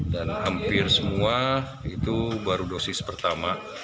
dan hampir semua itu baru dosis pertama